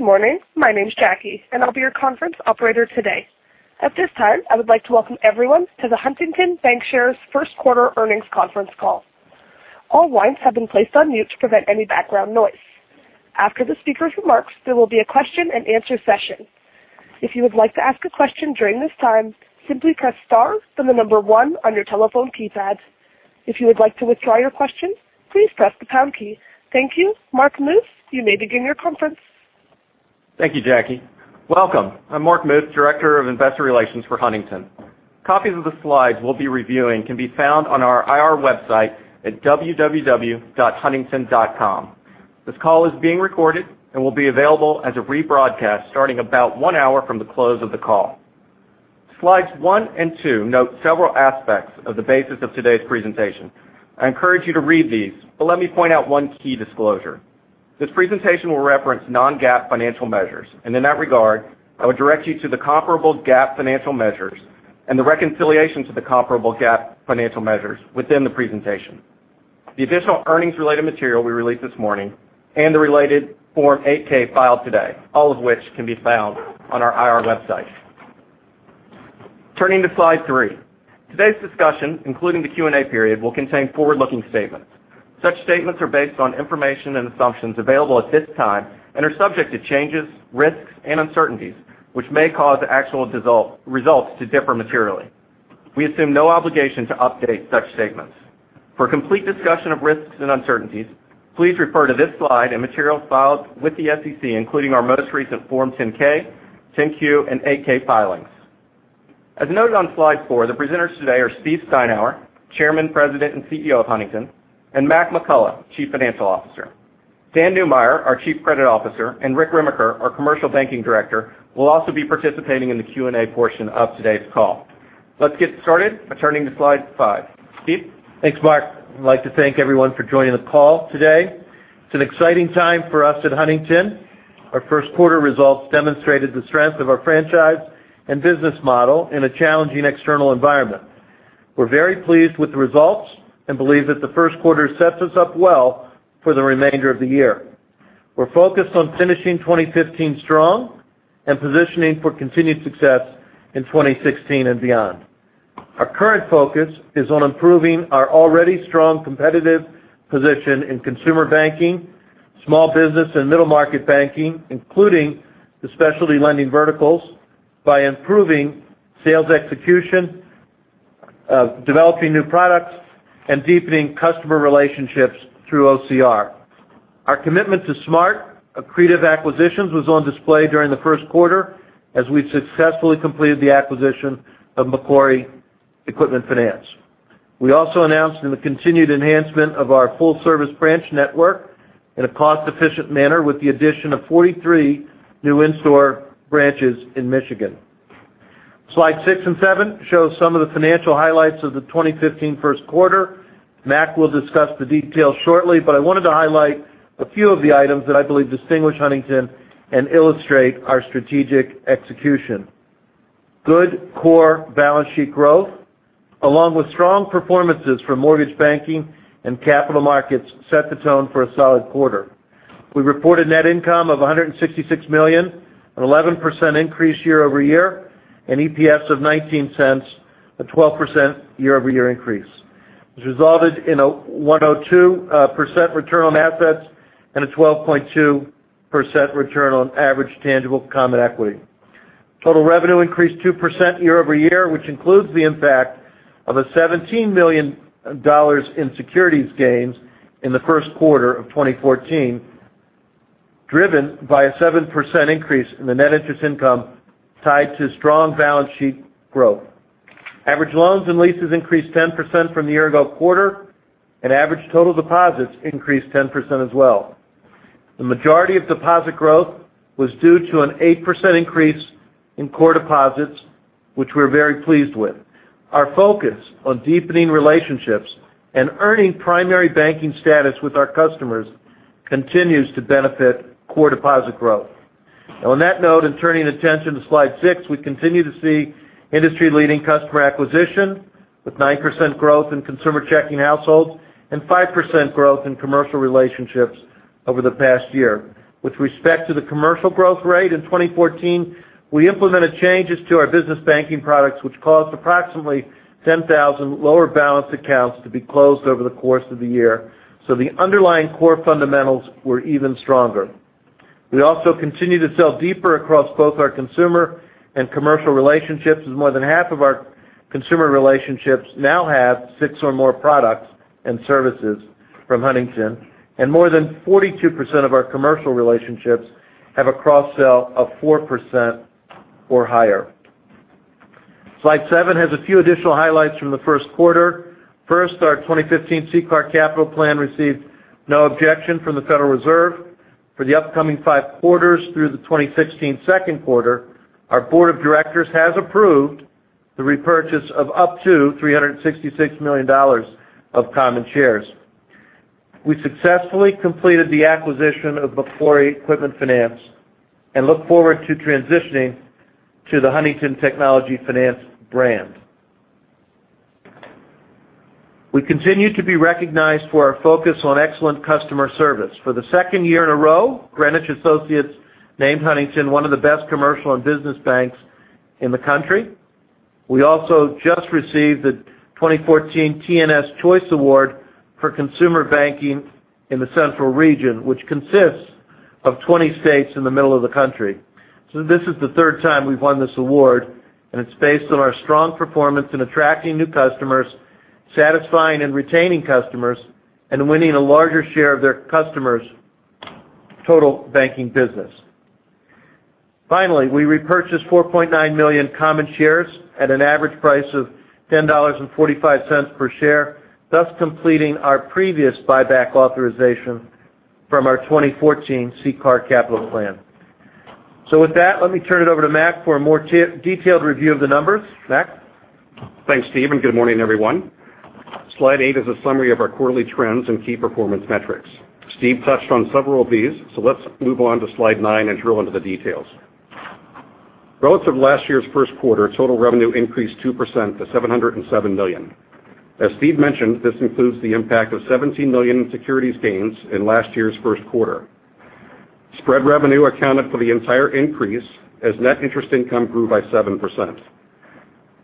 Good morning. My name's Jackie, and I'll be your conference operator today. At this time, I would like to welcome everyone to the Huntington Bancshares first quarter earnings conference call. All lines have been placed on mute to prevent any background noise. After the speaker's remarks, there will be a question and answer session. If you would like to ask a question during this time, simply press star, then the number 1 on your telephone keypad. If you would like to withdraw your question, please press the pound key. Thank you. Mark Muth, you may begin your conference. Thank you, Jackie. Welcome. I'm Mark Muth, Director of Investor Relations for Huntington. Copies of the slides we'll be reviewing can be found on our IR website at www.huntington.com. This call is being recorded and will be available as a rebroadcast starting about 1 hour from the close of the call. Slides one and two note several aspects of the basis of today's presentation. I encourage you to read these, but let me point out one key disclosure. This presentation will reference non-GAAP financial measures, and in that regard, I would direct you to the comparable GAAP financial measures and the reconciliation to the comparable GAAP financial measures within the presentation. The additional earnings-related material we released this morning and the related Form 8-K filed today, all of which can be found on our IR website. Turning to slide three. Today's discussion, including the Q&A period, will contain forward-looking statements. Such statements are based on information and assumptions available at this time and are subject to changes, risks, and uncertainties, which may cause actual results to differ materially. We assume no obligation to update such statements. For a complete discussion of risks and uncertainties, please refer to this slide and materials filed with the SEC, including our most recent Form 10-K, 10-Q, and 8-K filings. As noted on slide four, the presenters today are Steve Steinour, Chairman, President, and CEO of Huntington, and Mac McCullough, Chief Financial Officer. Dan Neumeyer, our Chief Credit Officer, and Rick Remiker, our Commercial Banking Director, will also be participating in the Q&A portion of today's call. Let's get started by turning to slide five. Steve? Thanks, Mark. I'd like to thank everyone for joining the call today. It's an exciting time for us at Huntington. Our first quarter results demonstrated the strength of our franchise and business model in a challenging external environment. We're very pleased with the results and believe that the first quarter sets us up well for the remainder of the year. We're focused on finishing 2015 strong and positioning for continued success in 2016 and beyond. Our current focus is on improving our already strong competitive position in consumer banking, small business, and middle-market banking, including the specialty lending verticals, by improving sales execution, developing new products, and deepening customer relationships through OCR. Our commitment to smart, accretive acquisitions was on display during the first quarter as we successfully completed the acquisition of Macquarie Equipment Finance. We also announced the continued enhancement of our full-service branch network in a cost-efficient manner with the addition of 43 new in-store branches in Michigan. Slide six and seven show some of the financial highlights of the 2015 first quarter. Mac will discuss the details shortly, but I wanted to highlight a few of the items that I believe distinguish Huntington and illustrate our strategic execution. Good core balance sheet growth, along with strong performances from mortgage banking and capital markets, set the tone for a solid quarter. We reported net income of $166 million, an 11% increase year-over-year, and EPS of $0.19, a 12% year-over-year increase, which resulted in a 102% return on assets and a 12.2% return on average tangible common equity. Total revenue increased 2% year-over-year, which includes the impact of a $17 million in securities gains in the first quarter of 2014, driven by a 7% increase in the net interest income tied to strong balance sheet growth. Average loans and leases increased 10% from the year ago quarter, and average total deposits increased 10% as well. The majority of deposit growth was due to an 8% increase in core deposits, which we're very pleased with. Our focus on deepening relationships and earning primary banking status with our customers continues to benefit core deposit growth. On that note and turning attention to slide six, we continue to see industry-leading customer acquisition with 9% growth in consumer checking households and 5% growth in commercial relationships over the past year. With respect to the commercial growth rate in 2014, we implemented changes to our business banking products, which caused approximately 10,000 lower balanced accounts to be closed over the course of the year. The underlying core fundamentals were even stronger. We also continue to sell deeper across both our consumer and commercial relationships, as more than half of our consumer relationships now have six or more products and services from Huntington, and more than 42% of our commercial relationships have a cross-sell of 4% or higher. Slide seven has a few additional highlights from the first quarter. First, our 2015 CCAR capital plan received no objection from the Federal Reserve. For the upcoming five quarters through the 2016 second quarter, our board of directors has approved the repurchase of up to $366 million of common shares. We successfully completed the acquisition of Macquarie Equipment Finance and look forward to transitioning to the Huntington Technology Finance brand. We continue to be recognized for our focus on excellent customer service. For the second year in a row, Greenwich Associates named Huntington one of the best commercial and business banks in the country. We also just received the 2014 TNS Choice Award for consumer banking in the central region, which consists of 20 states in the middle of the country. This is the third time we've won this award, and it's based on our strong performance in attracting new customers, satisfying and retaining customers, and winning a larger share of their customers' total banking business. Finally, we repurchased 4.9 million common shares at an average price of $10.45 per share, thus completing our previous buyback authorization from our 2014 CCAR capital plan. With that, let me turn it over to Mac for a more detailed review of the numbers. Mac? Thanks, Steve, and good morning, everyone. Slide eight is a summary of our quarterly trends and key performance metrics. Steve touched on several of these, so let's move on to slide nine and drill into the details. Relative to last year's first quarter, total revenue increased 2% to $707 million. As Steve mentioned, this includes the impact of $17 million in securities gains in last year's first quarter. Spread revenue accounted for the entire increase, as net interest income grew by 7%.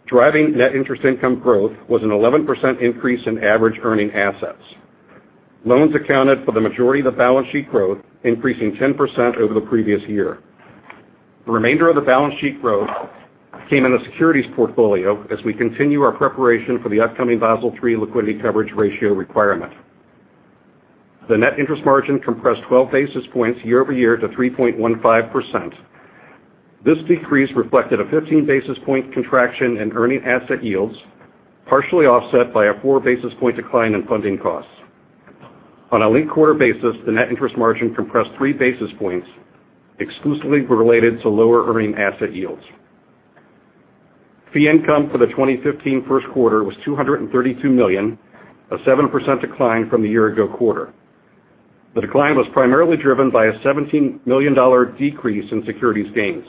Driving net interest income growth was an 11% increase in average earning assets. Loans accounted for the majority of the balance sheet growth, increasing 10% over the previous year. The remainder of the balance sheet growth came in the securities portfolio as we continue our preparation for the upcoming Basel III liquidity coverage ratio requirement. The net interest margin compressed 12 basis points year-over-year to 3.15%. This decrease reflected a 15-basis point contraction in earning asset yields, partially offset by a four-basis point decline in funding costs. On a linked-quarter basis, the net interest margin compressed three basis points exclusively related to lower earning asset yields. Fee income for the 2015 first quarter was $232 million, a 7% decline from the year-ago quarter. The decline was primarily driven by a $17 million decrease in securities gains.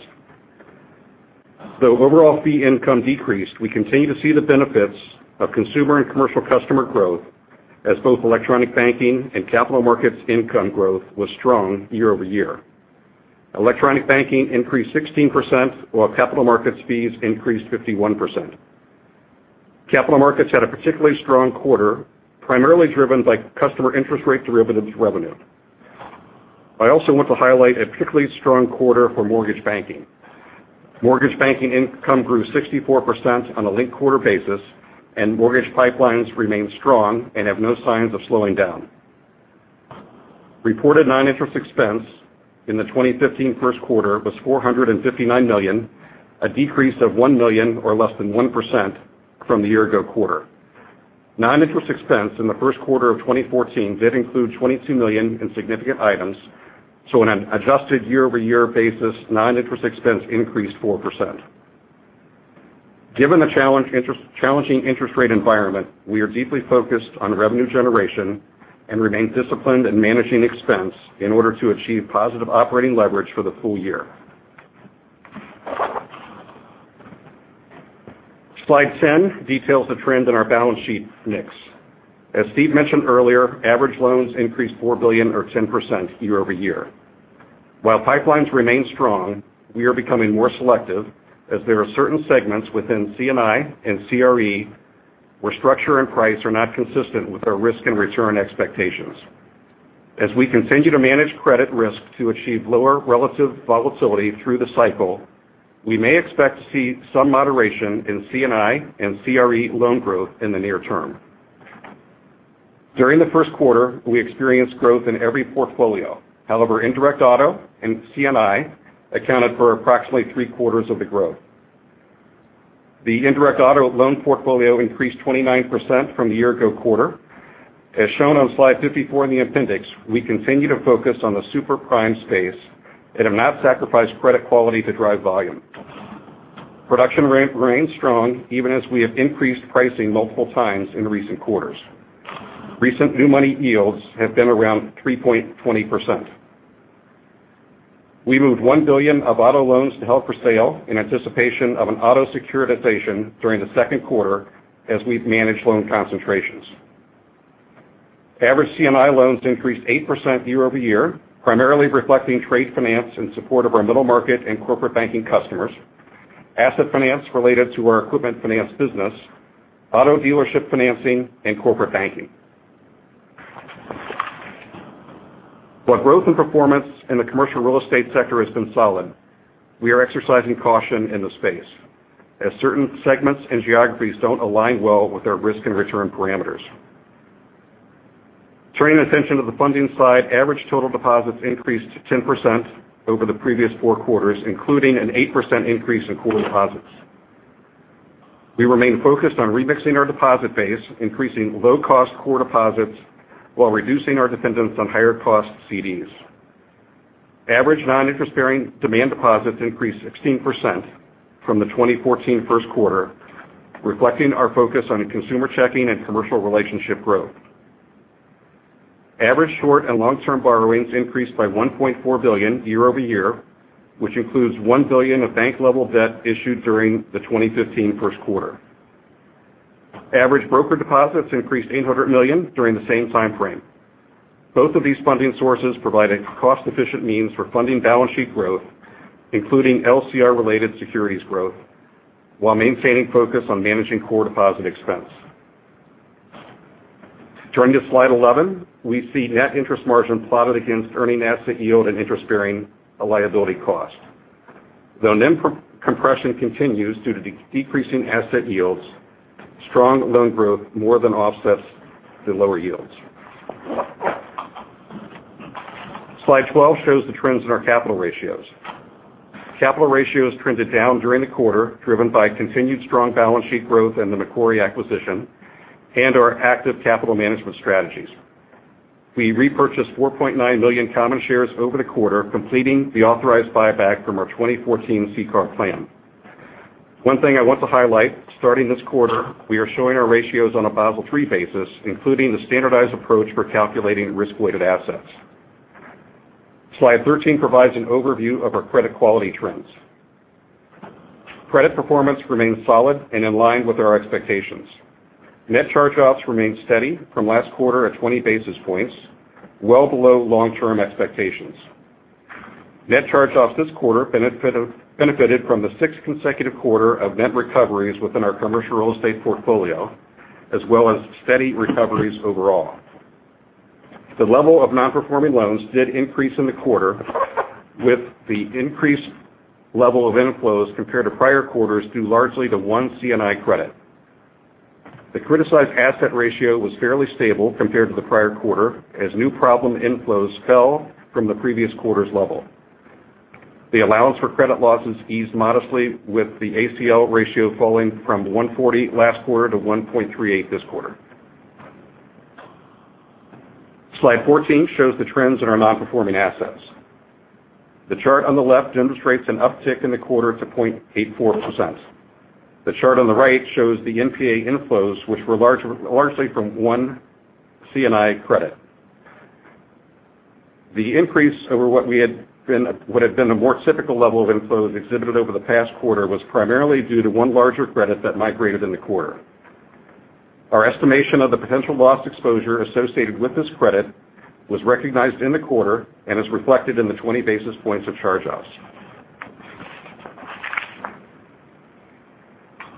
Though overall fee income decreased, we continue to see the benefits of consumer and commercial customer growth, as both electronic banking and capital markets income growth was strong year-over-year. Electronic banking increased 16%, while capital markets fees increased 51%. Capital markets had a particularly strong quarter, primarily driven by customer interest rate derivatives revenue. I also want to highlight a particularly strong quarter for mortgage banking. Mortgage banking income grew 64% on a linked-quarter basis, and mortgage pipelines remain strong and have no signs of slowing down. Reported non-interest expense in the 2015 first quarter was $459 million, a decrease of $1 million or less than 1% from the year-ago quarter. Non-interest expense in the first quarter of 2014 did include $22 million in significant items, so on an adjusted year-over-year basis, non-interest expense increased 4%. Given the challenging interest rate environment, we are deeply focused on revenue generation and remain disciplined in managing expense in order to achieve positive operating leverage for the full year. Slide 10 details the trend in our balance sheet mix. As Steve mentioned earlier, average loans increased $4 billion or 10% year-over-year. While pipelines remain strong, we are becoming more selective, as there are certain segments within C&I and CRE where structure and price are not consistent with our risk and return expectations. As we continue to manage credit risk to achieve lower relative volatility through the cycle, we may expect to see some moderation in C&I and CRE loan growth in the near term. During the first quarter, we experienced growth in every portfolio. However, indirect auto and C&I accounted for approximately three-quarters of the growth. The indirect auto loan portfolio increased 29% from the year ago quarter. As shown on slide 54 in the appendix, we continue to focus on the super-prime space and have not sacrificed credit quality to drive volume. Production remains strong even as we have increased pricing multiple times in recent quarters. Recent new money yields have been around 3.20%. We moved $1 billion of auto loans to held for sale in anticipation of an auto securitization during the second quarter as we've managed loan concentrations. Average C&I loans increased 8% year-over-year, primarily reflecting trade finance in support of our middle market and corporate banking customers, asset finance related to our equipment finance business, auto dealership financing, and corporate banking. While growth and performance in the commercial real estate sector has been solid, we are exercising caution in the space as certain segments and geographies don't align well with our risk and return parameters. Turning attention to the funding side, average total deposits increased 10% over the previous four quarters, including an 8% increase in core deposits. We remain focused on remixing our deposit base, increasing low-cost core deposits while reducing our dependence on higher-cost CDs. Average non-interest-bearing demand deposits increased 16% from the 2014 first quarter, reflecting our focus on consumer checking and commercial relationship growth. Average short and long-term borrowings increased by $1.4 billion year-over-year, which includes $1 billion of bank level debt issued during the 2015 first quarter. Average broker deposits increased $800 million during the same timeframe. Both of these funding sources provide a cost-efficient means for funding balance sheet growth, including LCR-related securities growth, while maintaining focus on managing core deposit expense. Turning to slide 11, we see net interest margin plotted against earning asset yield and interest-bearing liability cost. Though NIM compression continues due to decreasing asset yields, strong loan growth more than offsets the lower yields. Slide 12 shows the trends in our capital ratios. Capital ratios trended down during the quarter, driven by continued strong balance sheet growth and the Macquarie acquisition and our active capital management strategies. We repurchased 4.9 million common shares over the quarter, completing the authorized buyback from our 2014 CCAR plan. One thing I want to highlight, starting this quarter, we are showing our ratios on a Basel III basis, including the standardized approach for calculating risk-weighted assets. Slide 13 provides an overview of our credit quality trends. Credit performance remains solid and in line with our expectations. Net charge-offs remain steady from last quarter at 20 basis points, well below long-term expectations. Net charge-offs this quarter benefited from the sixth consecutive quarter of net recoveries within our commercial real estate portfolio, as well as steady recoveries overall. The level of non-performing loans did increase in the quarter with the increased level of inflows compared to prior quarters due largely to one C&I credit. The criticized asset ratio was fairly stable compared to the prior quarter, as new problem inflows fell from the previous quarter's level. The allowance for credit losses eased modestly with the ACL ratio falling from 1.40 last quarter to 1.38 this quarter. Slide 14 shows the trends in our non-performing assets. The chart on the left demonstrates an uptick in the quarter to 0.84%. The chart on the right shows the NPA inflows, which were largely from one C&I credit. The increase over what would have been a more typical level of inflows exhibited over the past quarter was primarily due to one larger credit that migrated in the quarter. Our estimation of the potential loss exposure associated with this credit was recognized in the quarter and is reflected in the 20 basis points of charge-offs.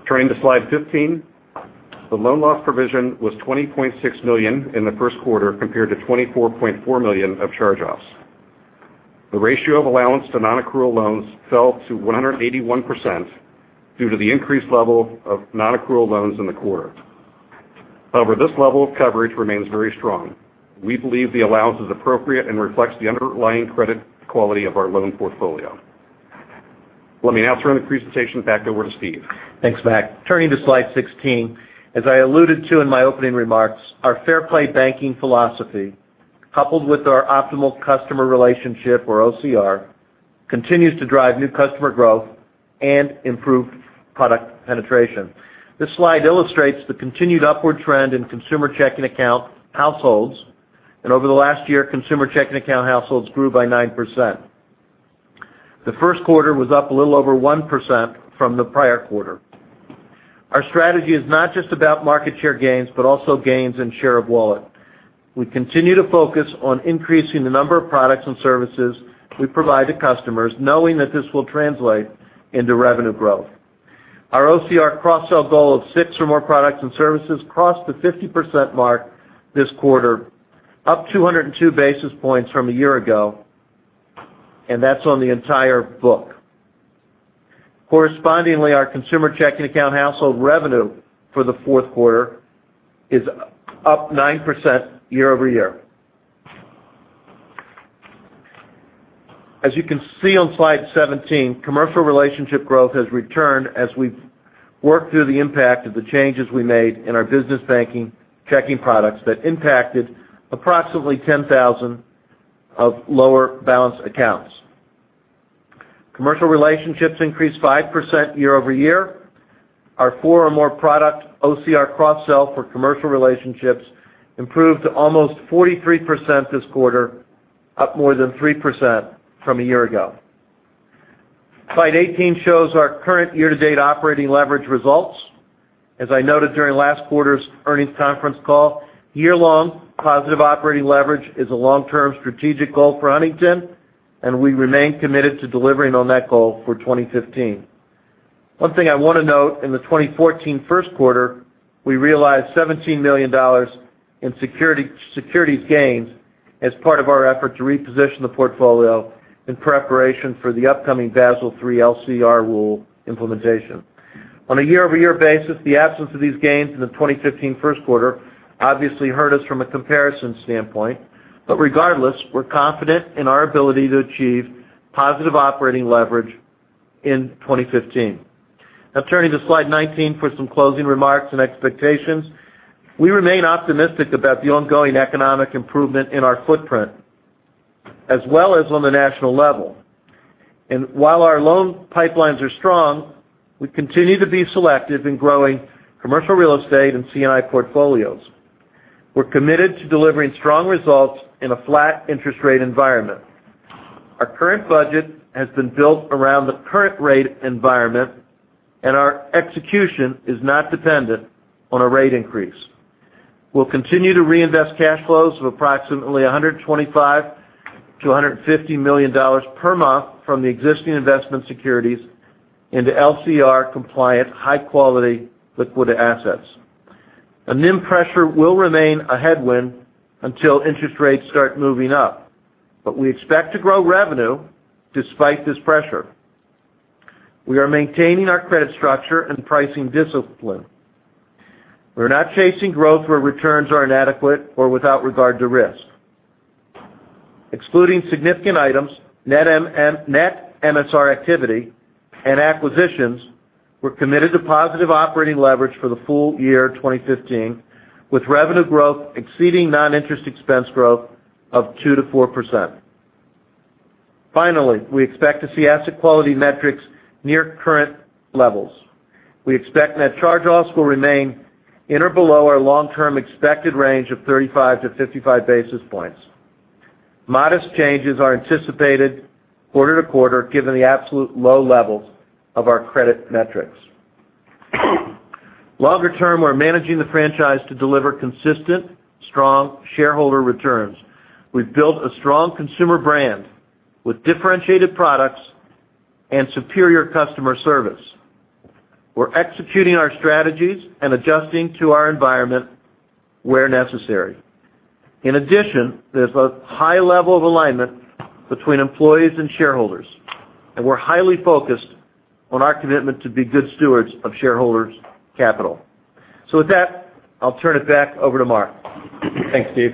Turning to Slide 15, the loan loss provision was $20.6 million in the first quarter, compared to $24.4 million of charge-offs. The ratio of allowance to non-accrual loans fell to 181% due to the increased level of non-accrual loans in the quarter. However, this level of coverage remains very strong. We believe the allowance is appropriate and reflects the underlying credit quality of our loan portfolio. Let me now turn the presentation back over to Steve. Thanks, Mac. Turning to Slide 16, as I alluded to in my opening remarks, our Fair Play banking philosophy, coupled with our Optimal Customer Relationship or OCR, continues to drive new customer growth and improve product penetration. This slide illustrates the continued upward trend in consumer checking account households. Over the last year, consumer checking account households grew by 9%. The first quarter was up a little over 1% from the prior quarter. Our strategy is not just about market share gains but also gains in share of wallet. We continue to focus on increasing the number of products and services we provide to customers, knowing that this will translate into revenue growth. Our OCR cross-sell goal of six or more products and services crossed the 50% mark this quarter, up 202 basis points from a year ago, and that's on the entire book. Correspondingly, our consumer checking account household revenue for the fourth quarter is up 9% year-over-year. As you can see on Slide 17, commercial relationship growth has returned as we've worked through the impact of the changes we made in our business banking checking products that impacted approximately 10,000 of lower balance accounts. Commercial relationships increased 5% year-over-year. Our four or more product OCR cross-sell for commercial relationships improved to almost 43% this quarter, up more than 3% from a year ago. Slide 18 shows our current year-to-date operating leverage results. As I noted during last quarter's earnings conference call, year-long positive operating leverage is a long-term strategic goal for Huntington, and we remain committed to delivering on that goal for 2015. One thing I want to note, in the 2014 first quarter, we realized $17 million in securities gains as part of our effort to reposition the portfolio in preparation for the upcoming Basel III LCR rule implementation. Regardless, we're confident in our ability to achieve positive operating leverage in 2015. Turning to slide 19 for some closing remarks and expectations. We remain optimistic about the ongoing economic improvement in our footprint, as well as on the national level. While our loan pipelines are strong, we continue to be selective in growing commercial real estate and C&I portfolios. We're committed to delivering strong results in a flat interest rate environment. Our current budget has been built around the current rate environment, our execution is not dependent on a rate increase. We'll continue to reinvest cash flows of approximately $125 million-$150 million per month from the existing investment securities into LCR-compliant, high-quality, liquid assets. NIM pressure will remain a headwind until interest rates start moving up. We expect to grow revenue despite this pressure. We are maintaining our credit structure and pricing discipline. We're not chasing growth where returns are inadequate or without regard to risk. Excluding significant items, net MSR activity, and acquisitions, we're committed to positive operating leverage for the full year 2015, with revenue growth exceeding non-interest expense growth of 2%-4%. Finally, we expect to see asset quality metrics near current levels. We expect net charge-offs will remain in or below our long-term expected range of 35-55 basis points. Modest changes are anticipated quarter-to-quarter, given the absolute low levels of our credit metrics. Longer term, we're managing the franchise to deliver consistent, strong shareholder returns. We've built a strong consumer brand with differentiated products and superior customer service. We're executing our strategies and adjusting to our environment where necessary. In addition, there's a high level of alignment between employees and shareholders, we're highly focused on our commitment to be good stewards of shareholders' capital. With that, I'll turn it back over to Mark. Thanks, Steve.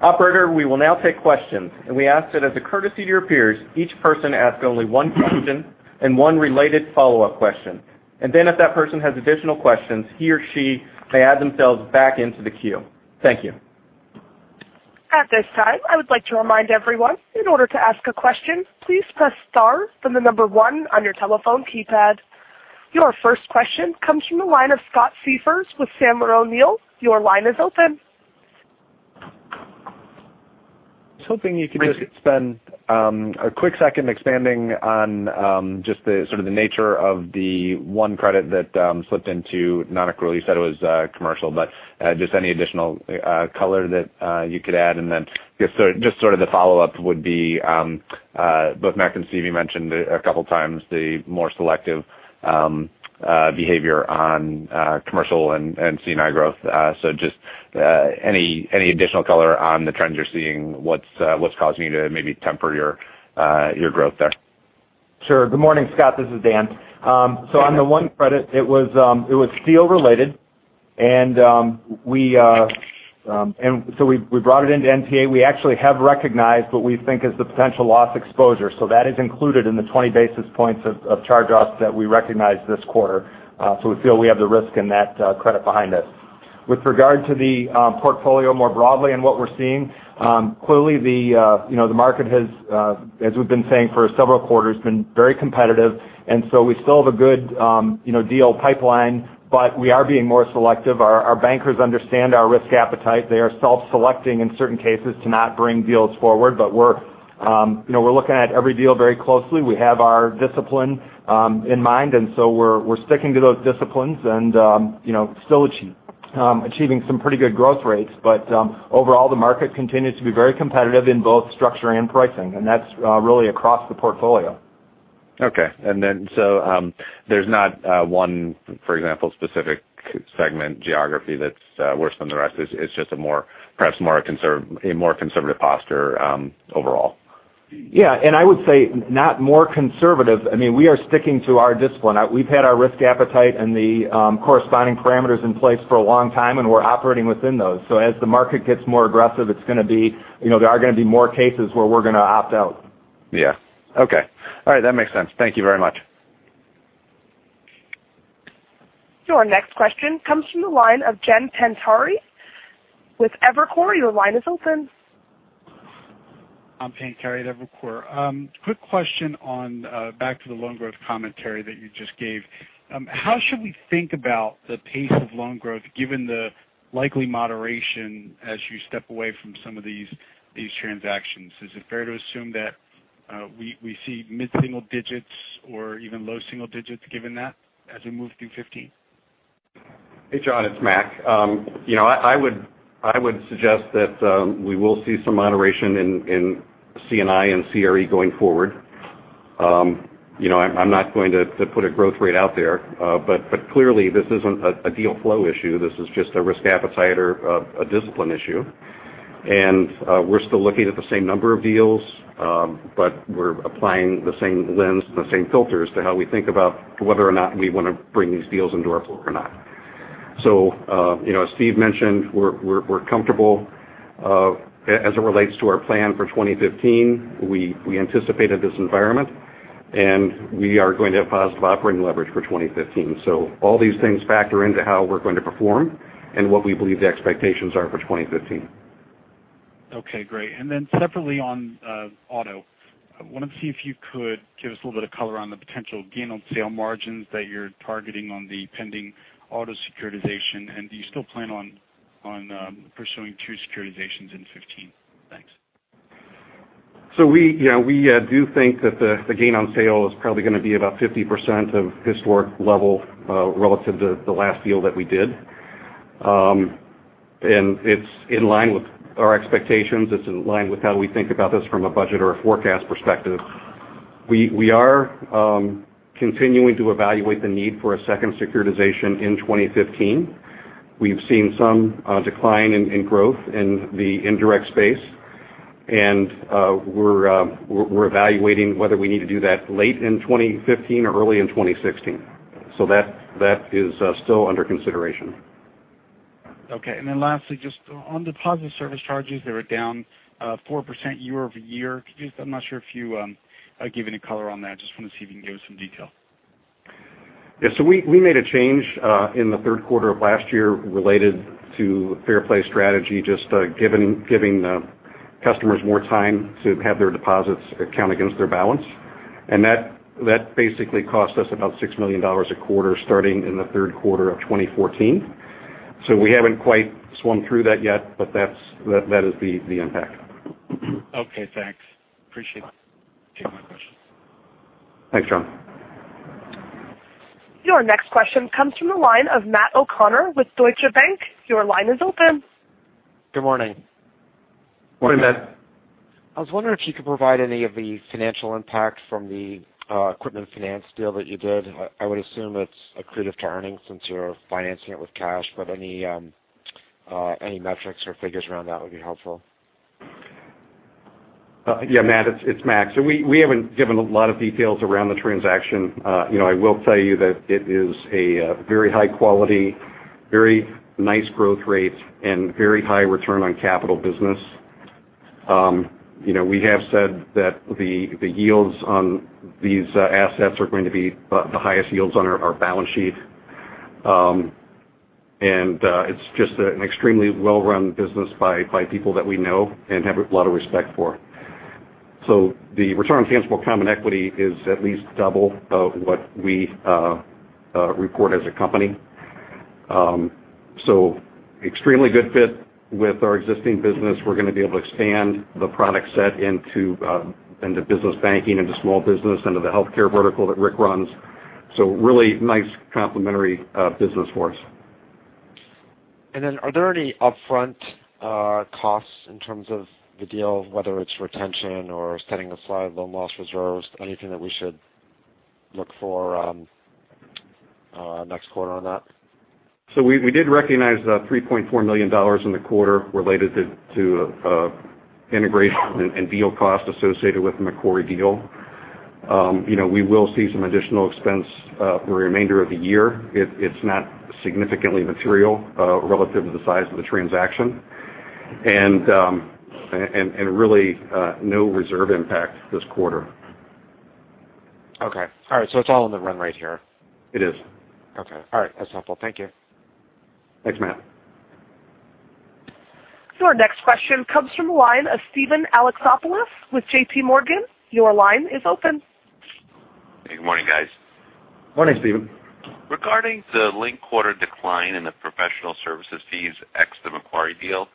Operator, we will now take questions, we ask that as a courtesy to your peers, each person ask only one question and one related follow-up question. If that person has additional questions, he or she may add themselves back into the queue. Thank you. At this time, I would like to remind everyone, in order to ask a question, please press star, then the number one on your telephone keypad. Your first question comes from the line of Scott Siefers with Sandler O'Neill. Your line is open. I was hoping you could just spend a quick second expanding on just the nature of the one credit that slipped into non-accrual. You said it was commercial, but just any additional color that you could add. Just sort of the follow-up would be, both Mac and Steve, you mentioned a couple times the more selective behavior on commercial and C&I growth. Just any additional color on the trends you're seeing? What's causing you to maybe temper your growth there? Sure. Good morning, Scott. This is Dan. On the one credit, it was steel related. We brought it into NPA. We actually have recognized what we think is the potential loss exposure. That is included in the 20 basis points of charge-offs that we recognized this quarter. We feel we have the risk in that credit behind it. With regard to the portfolio more broadly and what we're seeing, clearly the market has, as we've been saying for several quarters, been very competitive. We still have a good deal pipeline, but we are being more selective. Our bankers understand our risk appetite. They are self-selecting in certain cases to not bring deals forward. We're looking at every deal very closely. We have our discipline in mind, we're sticking to those disciplines and still achieving some pretty good growth rates. Overall, the market continues to be very competitive in both structure and pricing, and that's really across the portfolio. Okay. There's not one, for example, specific segment geography that's worse than the rest. It's just perhaps a more conservative posture overall. Yeah. I would say not more conservative. We are sticking to our discipline. We've had our risk appetite and the corresponding parameters in place for a long time, and we're operating within those. As the market gets more aggressive, there are going to be more cases where we're going to opt out. Yeah. Okay. All right. That makes sense. Thank you very much. Your next question comes from the line of John Pancari with Evercore. Your line is open. John Pancari, Evercore. Quick question on back to the loan growth commentary that you just gave. How should we think about the pace of loan growth given the likely moderation as you step away from some of these transactions? Is it fair to assume that we see mid-single digits or even low single digits given that as we move through 2015? Hey, John, it's Mac. I would suggest that we will see some moderation in C&I and CRE going forward. I'm not going to put a growth rate out there. Clearly, this isn't a deal flow issue. This is just a risk appetite or a discipline issue. We're still looking at the same number of deals, but we're applying the same lens and the same filters to how we think about whether or not we want to bring these deals into our pool or not. As Steve mentioned, we're comfortable. As it relates to our plan for 2015, we anticipated this environment We are going to have positive operating leverage for 2015. All these things factor into how we're going to perform and what we believe the expectations are for 2015. Okay, great. Then separately on auto, I wanted to see if you could give us a little bit of color on the potential gain on sale margins that you're targeting on the pending auto securitization, and do you still plan on pursuing 2 securitizations in 2015? Thanks. We do think that the gain on sale is probably going to be about 50% of historic level relative to the last deal that we did. It's in line with our expectations. It's in line with how we think about this from a budget or a forecast perspective. We are continuing to evaluate the need for a second securitization in 2015. We've seen some decline in growth in the indirect space, we're evaluating whether we need to do that late in 2015 or early in 2016. That is still under consideration. Okay. Lastly, just on deposit service charges, they were down 4% year-over-year. I'm not sure if you gave any color on that. I just want to see if you can give us some detail. Yeah, we made a change in the third quarter of last year related to Fair Play strategy, just giving the customers more time to have their deposits count against their balance. That basically cost us about $6 million a quarter starting in the third quarter of 2014. We haven't quite swung through that yet, but that is the impact. Okay, thanks. Appreciate it. Two more questions. Thanks, John. Your next question comes from the line of Matt O'Connor with Deutsche Bank. Your line is open. Good morning. Morning, Matt. I was wondering if you could provide any of the financial impact from the equipment finance deal that you did. I would assume it's accretive to earnings since you're financing it with cash, but any metrics or figures around that would be helpful. Yeah, Matt, it's Mac. We haven't given a lot of details around the transaction. I will tell you that it is a very high quality, very nice growth rates, and very high return on capital business. We have said that the yields on these assets are going to be the highest yields on our balance sheet. It's just an extremely well-run business by people that we know and have a lot of respect for. The return on tangible common equity is at least double of what we report as a company. Extremely good fit with our existing business. We're going to be able to expand the product set into business banking, into small business, into the healthcare vertical that Rick runs. Really nice complementary business for us. Are there any upfront costs in terms of the deal, whether it's retention or setting aside loan loss reserves, anything that we should look for next quarter on that? We did recognize the $3.4 million in the quarter related to integration and deal cost associated with the Macquarie deal. We will see some additional expense for the remainder of the year. It's not significantly material relative to the size of the transaction. Really no reserve impact this quarter. Okay. All right. It's all in the run rate here. It is. Okay. All right. That's helpful. Thank you. Thanks, Matt. Our next question comes from the line of Steven Alexopoulos with JPMorgan. Your line is open. Good morning, guys. Morning, Steven. Regarding the linked quarter decline in the professional services fees ex the Macquarie deal,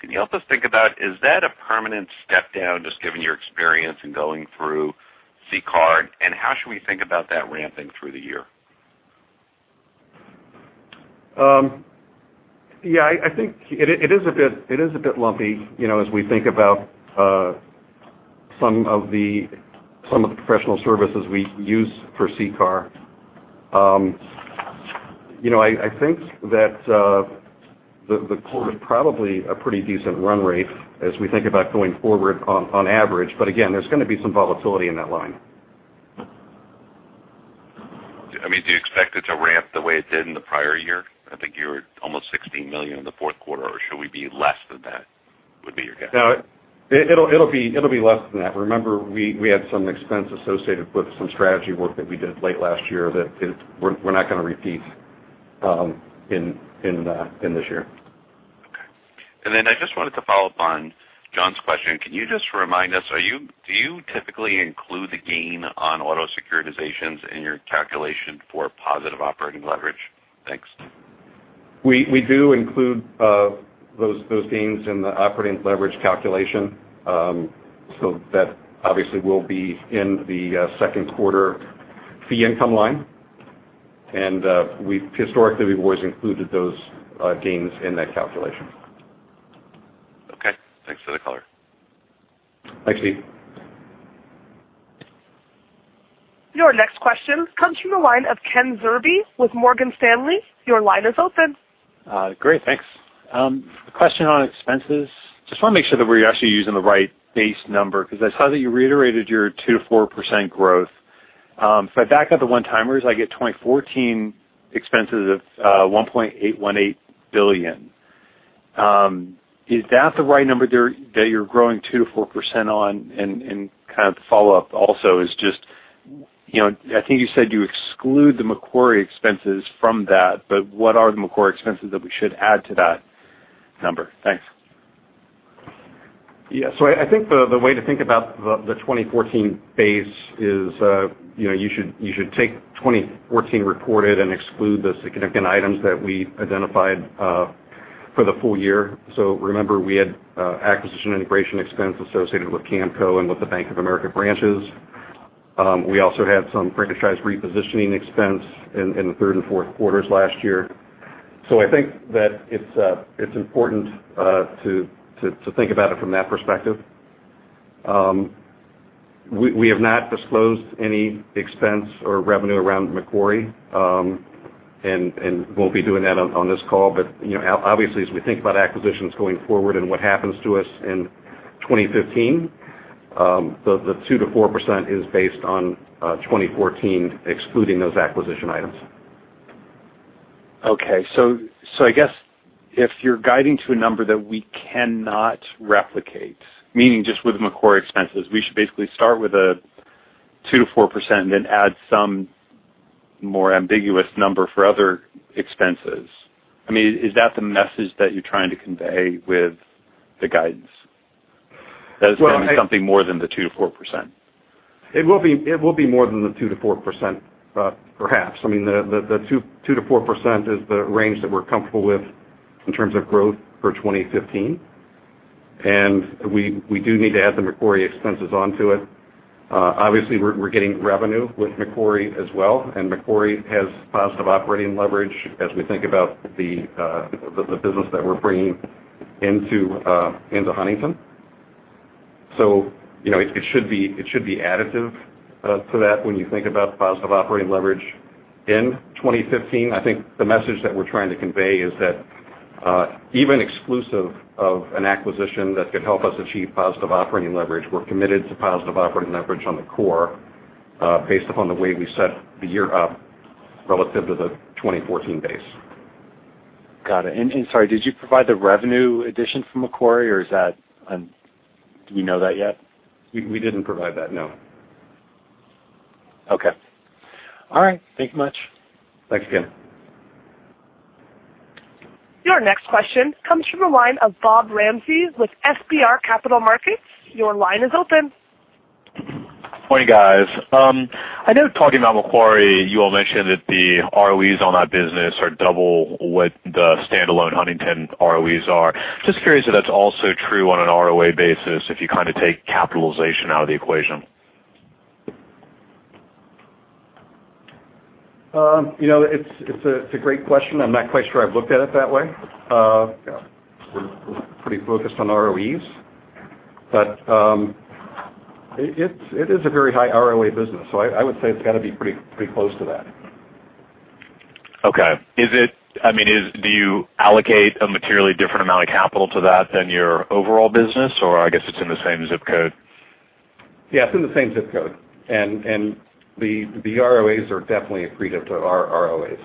can you help us think about, is that a permanent step down, just given your experience in going through CCAR? How should we think about that ramping through the year? Yeah, I think it is a bit lumpy as we think about some of the professional services we use for CCAR. I think that the quarter is probably a pretty decent run rate as we think about going forward on average. Again, there's going to be some volatility in that line. Do you expect it to ramp the way it did in the prior year? I think you were at almost $16 million in the fourth quarter, should we be less than that, would be your guess? No, it'll be less than that. Remember, we had some expense associated with some strategy work that we did late last year that we're not going to repeat in this year. Okay. Then I just wanted to follow up on John's question. Can you just remind us, do you typically include the gain on auto securitizations in your calculation for positive operating leverage? Thanks. We do include those gains in the operating leverage calculation. That obviously will be in the second quarter fee income line. Historically, we've always included those gains in that calculation. Okay. Thanks for the color. Thanks, Steve. Your next question comes from the line of Kenneth Zerbe with Morgan Stanley. Your line is open. Great. Thanks. Question on expenses. Just want to make sure that we're actually using the right base number because I saw that you reiterated your 2% to 4% growth. If I back out the one-timers, I get 2014 expenses of $1.818 billion. Is that the right number there that you're growing 2% to 4% on? Kind of the follow-up also is just, I think you said you exclude the Macquarie expenses from that, but what are the Macquarie expenses that we should add to that number? Thanks. Yeah. I think the way to think about the 2014 base is you should take 2014 reported and exclude the significant items that we identified for the full year. Remember, we had acquisition integration expense associated with Camco and with the Bank of America branches. We also had some franchise repositioning expense in the third and fourth quarters last year. I think that it's important to think about it from that perspective. We have not disclosed any expense or revenue around Macquarie, and won't be doing that on this call. Obviously, as we think about acquisitions going forward and what happens to us in 2015, the 2% to 4% is based on 2014, excluding those acquisition items. Okay. I guess if you're guiding to a number that we cannot replicate, meaning just with Macquarie expenses, we should basically start with a 2% to 4% and then add some more ambiguous number for other expenses. Is that the message that you're trying to convey with the guidance? Well. As something more than the 2%-4%. It will be more than the 2%-4%, perhaps. The 2%-4% is the range that we're comfortable with in terms of growth for 2015. We do need to add the Macquarie expenses onto it. Obviously, we're getting revenue with Macquarie as well, and Macquarie has positive operating leverage as we think about the business that we're bringing into Huntington. It should be additive to that when you think about positive operating leverage in 2015. I think the message that we're trying to convey is that even exclusive of an acquisition that could help us achieve positive operating leverage, we're committed to positive operating leverage on the core, based upon the way we set the year up relative to the 2014 base. Got it. Sorry, did you provide the revenue addition for Macquarie, or do we know that yet? We didn't provide that, no. Okay. All right. Thank you much. Thanks again. Your next question comes from the line of Bob Ramsey with FBR Capital Markets. Your line is open. Morning, guys. I know talking about Macquarie, you all mentioned that the ROEs on that business are double what the standalone Huntington ROEs are. Just curious if that's also true on an ROA basis, if you kind of take capitalization out of the equation. It's a great question. I'm not quite sure I've looked at it that way. We're pretty focused on ROEs. It is a very high ROA business. I would say it's got to be pretty close to that. Okay. Do you allocate a materially different amount of capital to that than your overall business? I guess it's in the same ZIP code. Yeah, it's in the same ZIP code. The ROAs are definitely accretive to our ROAs.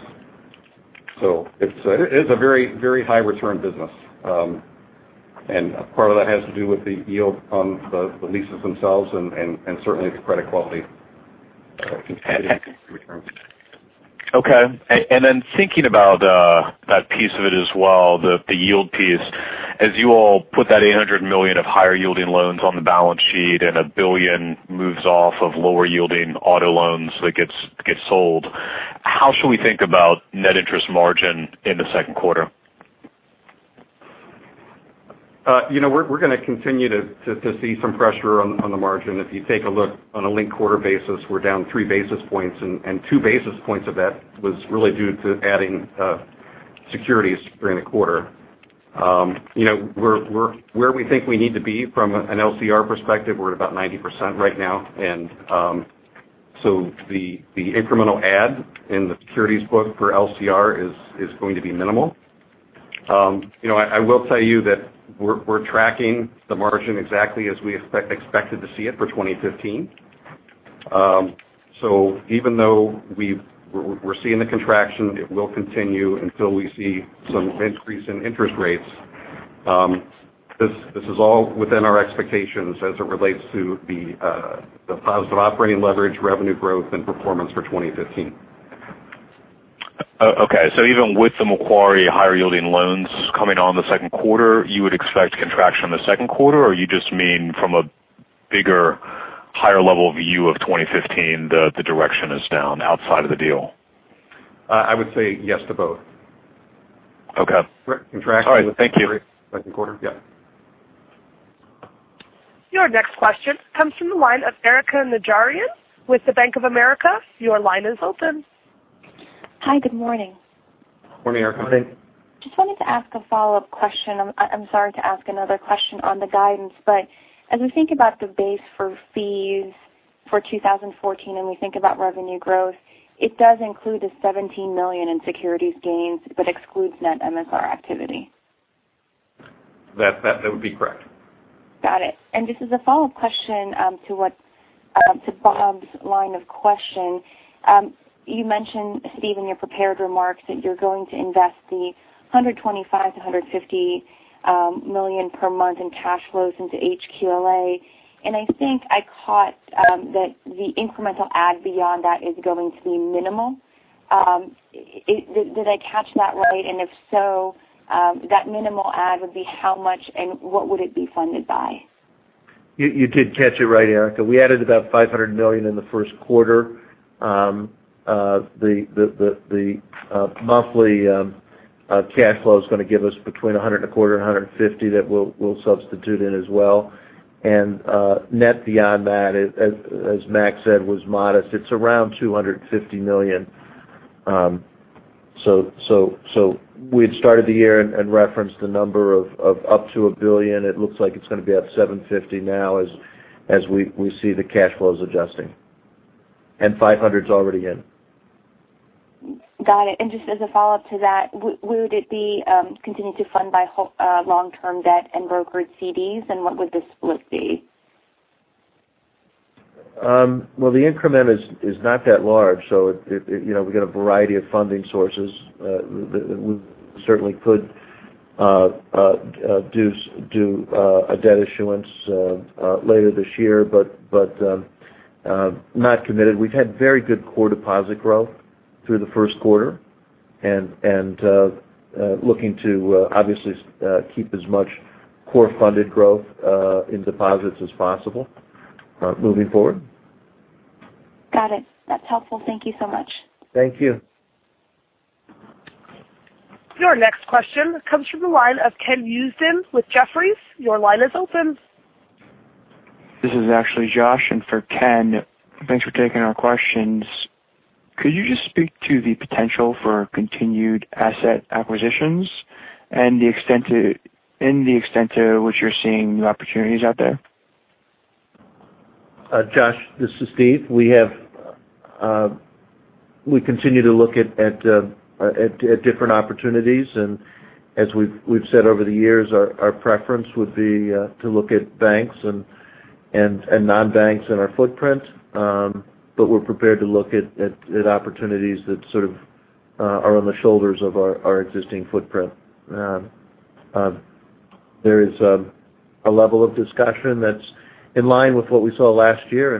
It is a very high return business. Part of that has to do with the yield on the leases themselves and certainly the credit quality contributing to returns. Okay. Then thinking about that piece of it as well, the yield piece. As you all put that $800 million of higher yielding loans on the balance sheet and $1 billion moves off of lower yielding auto loans that gets sold, how should we think about net interest margin in the second quarter? We're going to continue to see some pressure on the margin. If you take a look on a linked quarter basis, we're down three basis points, and two basis points of that was really due to adding securities during the quarter. Where we think we need to be from an LCR perspective, we're at about 90% right now. The incremental add in the securities book for LCR is going to be minimal. I will tell you that we're tracking the margin exactly as we expected to see it for 2015. Even though we're seeing the contraction, it will continue until we see some increase in interest rates. This is all within our expectations as it relates to the positive operating leverage, revenue growth, and performance for 2015. Okay. Even with the Macquarie higher yielding loans coming on the second quarter, you would expect contraction in the second quarter? Or you just mean from a bigger, higher level view of 2015, the direction is down outside of the deal? I would say yes to both. Okay. Contraction- All right. Thank you. Second quarter. Yep. Your next question comes from the line of Erika Najarian with the Bank of America. Your line is open. Hi, good morning. Morning, Erika. Just wanted to ask a follow-up question. I'm sorry to ask another question on the guidance. As we think about the base for fees for 2014, and we think about revenue growth, it does include the $17 million in securities gains but excludes net MSR activity. That would be correct. Got it. Just as a follow-up question to Bob's line of question. You mentioned, Steve, in your prepared remarks that you're going to invest the $125 million-$150 million per month in cash flows into HQLA. I think I caught that the incremental add beyond that is going to be minimal. Did I catch that right? If so, that minimal add would be how much, and what would it be funded by? You did catch it right, Erika. We added about $500 million in the first quarter. The monthly cash flow is going to give us between $100 and a quarter, $150 that we'll substitute in as well. Net beyond that, as Mac said, was modest. It's around $250 million. We had started the year and referenced the number of up to $1 billion. It looks like it's going to be at $750 million now as we see the cash flows adjusting. $500 million's already in. Got it. Just as a follow-up to that, would it be continued to fund by long-term debt and brokered CDs, and what would the split be? Well, the increment is not that large. We've got a variety of funding sources. We certainly could do a debt issuance later this year, but not committed. We've had very good core deposit growth through the first quarter, looking to obviously keep as much core funded growth in deposits as possible moving forward. Got it. That's helpful. Thank you so much. Thank you. Your next question comes from the line of Ken Usdin with Jefferies. Your line is open. This is actually Josh in for Ken. Thanks for taking our questions. Could you just speak to the potential for continued asset acquisitions and the extent to which you're seeing new opportunities out there? Josh, this is Steve. We continue to look at different opportunities. As we've said over the years, our preference would be to look at banks and non-banks in our footprint. We're prepared to look at opportunities that sort of are on the shoulders of our existing footprint. There is a level of discussion that's in line with what we saw last year.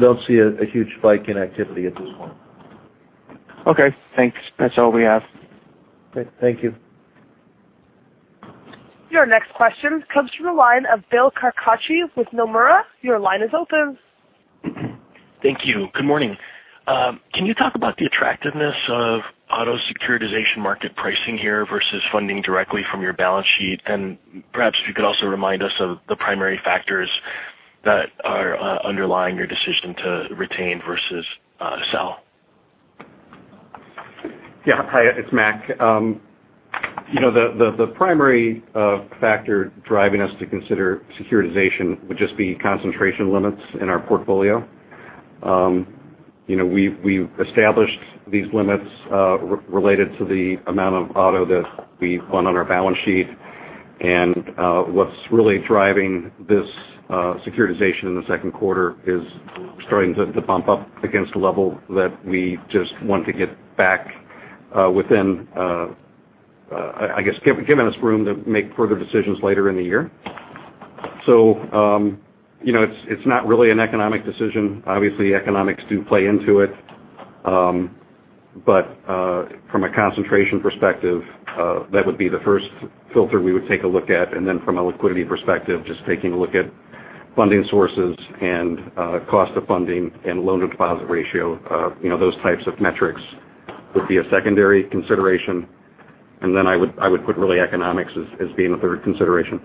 Don't see a huge spike in activity at this point. Okay, thanks. That's all we have. Great. Thank you. Your next question comes from the line of Bill Carcache with Nomura. Your line is open. Thank you. Good morning. Can you talk about the attractiveness of auto securitization market pricing here versus funding directly from your balance sheet? Perhaps you could also remind us of the primary factors that are underlying your decision to retain versus sell. Yeah. Hi, it's Mac. The primary factor driving us to consider securitization would just be concentration limits in our portfolio. We've established these limits related to the amount of auto that we fund on our balance sheet, what's really driving this securitization in the second quarter is starting to bump up against a level that we just want to get back within, giving us room to make further decisions later in the year. It's not really an economic decision. Obviously, economics do play into it. From a concentration perspective, that would be the first filter we would take a look at. From a liquidity perspective, just taking a look at funding sources and cost of funding and loan-to-deposit ratio. Those types of metrics would be a secondary consideration. I would put really economics as being a third consideration.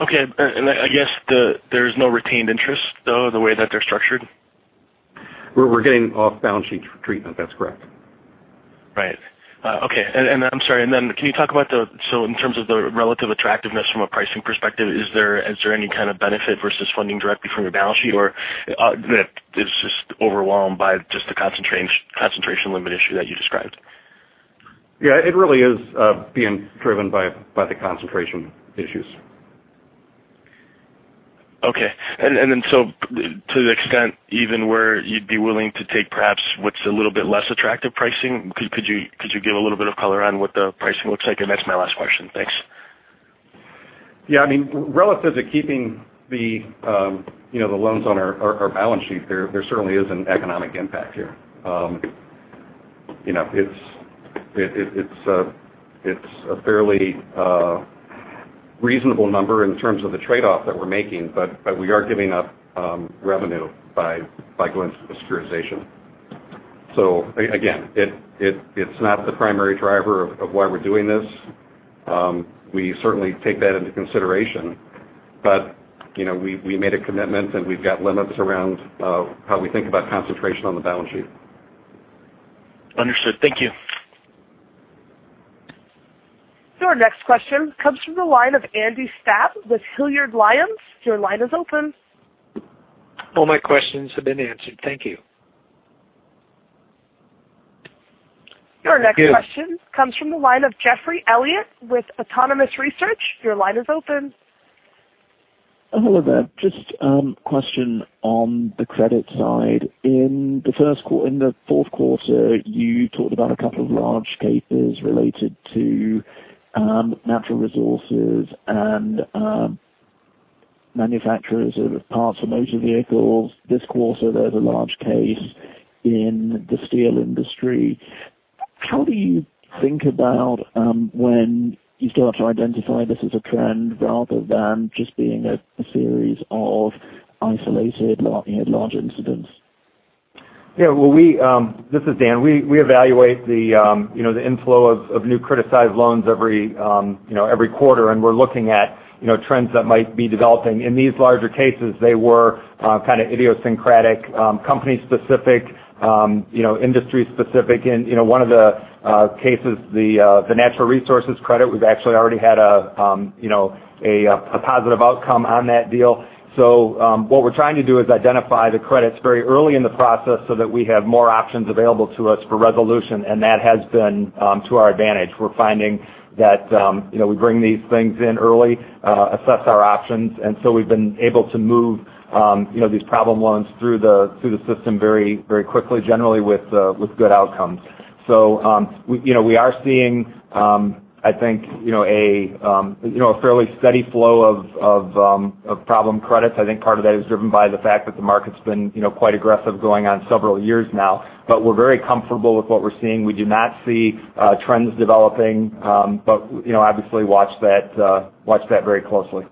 Okay. I guess there's no retained interest, though, in the way that they're structured? We're getting off-balance-sheet treatment. That's correct. Right. Okay. I'm sorry, can you talk about in terms of the relative attractiveness from a pricing perspective, is there any kind of benefit versus funding directly from your balance sheet, or is this just overwhelmed by just the concentration limit issue that you described? Yeah, it really is being driven by the concentration issues. Okay. To the extent even where you'd be willing to take perhaps what's a little bit less attractive pricing, could you give a little bit of color on what the pricing looks like? That's my last question. Thanks. Yeah. Relative to keeping the loans on our balance sheet, there certainly is an economic impact here. It's a fairly reasonable number in terms of the trade-off that we're making, but we are giving up revenue by going through the securitization. Again, it's not the primary driver of why we're doing this. We certainly take that into consideration. We made a commitment, and we've got limits around how we think about concentration on the balance sheet. Understood. Thank you. Your next question comes from the line of Andy Stapp with Hilliard Lyons. Your line is open. All my questions have been answered. Thank you. Your next question comes from the line of Geoffrey Elliott with Autonomous Research. Your line is open. Hello there. Just question on the credit side. In the fourth quarter, you talked about a couple of large cases related to natural resources and manufacturers of parts for motor vehicles. This quarter, there's a large case in the steel industry. How do you think about when you start to identify this as a trend rather than just being a series of isolated large incidents? Yeah. This is Dan. We evaluate the inflow of new criticized loans every quarter, and we're looking at trends that might be developing. In these larger cases, they were kind of idiosyncratic, company specific, industry specific. In one of the cases, the natural resources credit, we've actually already had a positive outcome on that deal. What we're trying to do is identify the credits very early in the process so that we have more options available to us for resolution, That has been to our advantage. We're finding that we bring these things in early, assess our options, We've been able to move these problem loans through the system very quickly, generally with good outcomes. We are seeing, I think, a fairly steady flow of problem credits. I think part of that is driven by the fact that the market's been quite aggressive going on several years now. We're very comfortable with what we're seeing. We do not see trends developing. Obviously watch that very closely.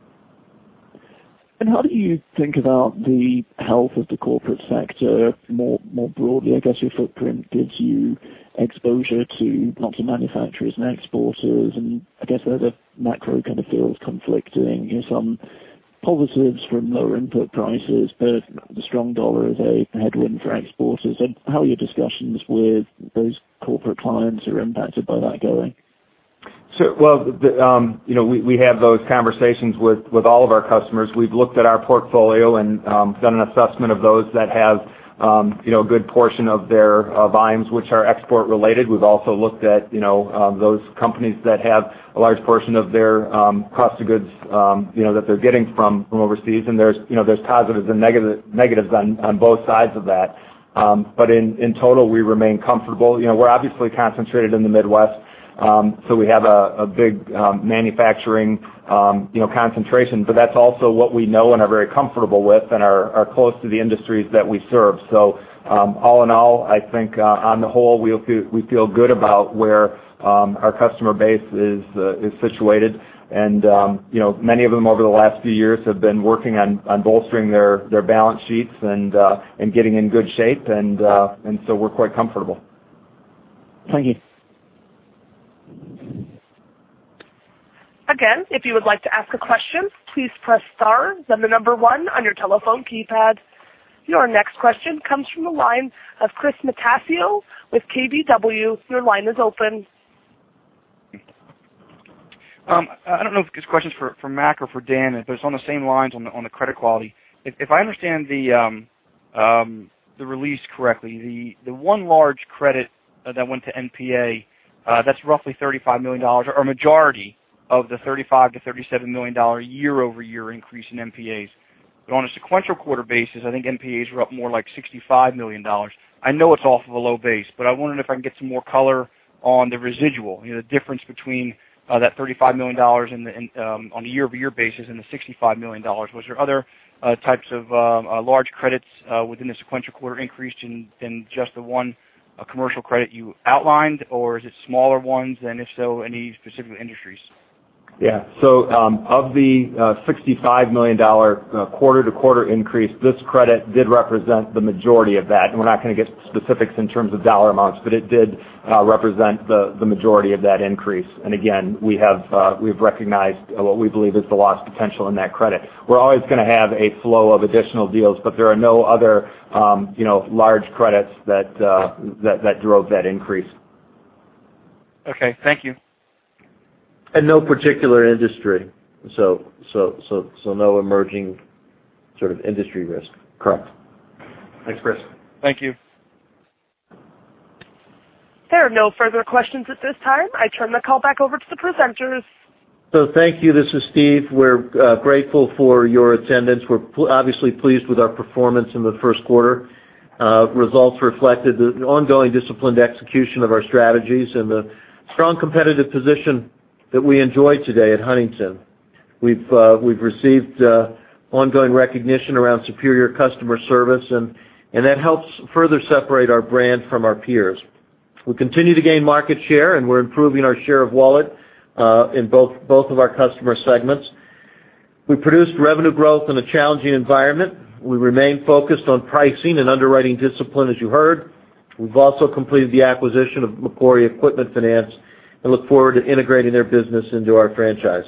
How do you think about the health of the corporate sector more broadly? I guess your footprint gives you exposure to lots of manufacturers and exporters, I guess the macro kind of feels conflicting. Some positives from lower input prices, but the strong dollar is a headwind for exporters. How are your discussions with those corporate clients who are impacted by that going? Sure. Well, we have those conversations with all of our customers. We've looked at our portfolio and done an assessment of those that have a good portion of their volumes which are export related. We've also looked at those companies that have a large portion of their cost of goods that they're getting from overseas. There's positives and negatives on both sides of that. In total, we remain comfortable. We're obviously concentrated in the Midwest, we have a big manufacturing concentration. That's also what we know and are very comfortable with and are close to the industries that we serve. All in all, I think on the whole, we feel good about where our customer base is situated. Many of them over the last few years have been working on bolstering their balance sheets and getting in good shape. We're quite comfortable. Thank you. If you would like to ask a question, please press star then the number one on your telephone keypad. Your next question comes from the line of Chris Mutascio with KBW. Your line is open. I don't know if this question's for Mac or for Dan, but it's on the same lines on the credit quality. If I understand the release correctly, the one large credit that went to NPA, that's roughly $35 million, or a majority of the $35 million-$37 million year-over-year increase in NPAs. On a sequential quarter basis, I think NPAs were up more like $65 million. I know it's off of a low base, but I wondered if I can get some more color on the residual, the difference between that $35 million on a year-over-year basis and the $65 million. Was there other types of large credits within the sequential quarter increase than just the one commercial credit you outlined, or is it smaller ones, and if so, any specific industries? Of the $65 million quarter-to-quarter increase, this credit did represent the majority of that. We're not going to get specifics in terms of dollar amounts, but it did represent the majority of that increase. Again, we've recognized what we believe is the loss potential in that credit. We're always going to have a flow of additional deals, but there are no other large credits that drove that increase. Okay. Thank you. No particular industry. No emerging sort of industry risk. Correct. Thanks, Chris. Thank you. There are no further questions at this time. I turn the call back over to the presenters. Thank you. This is Steve. We're grateful for your attendance. We're obviously pleased with our performance in the first quarter. Results reflected the ongoing disciplined execution of our strategies and the strong competitive position that we enjoy today at Huntington. We've received ongoing recognition around superior customer service, and that helps further separate our brand from our peers. We continue to gain market share, and we're improving our share of wallet in both of our customer segments. We produced revenue growth in a challenging environment. We remain focused on pricing and underwriting discipline, as you heard. We've also completed the acquisition of Macquarie Equipment Finance and look forward to integrating their business into our franchise.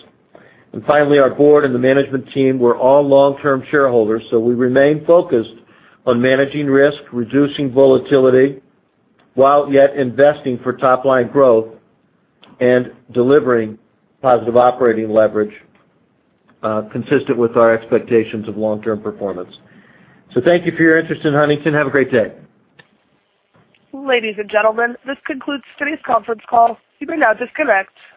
Finally, our board and the management team, we're all long-term shareholders, so we remain focused on managing risk, reducing volatility, while yet investing for top-line growth and delivering positive operating leverage consistent with our expectations of long-term performance. Thank you for your interest in Huntington. Have a great day. Ladies and gentlemen, this concludes today's conference call. You may now disconnect.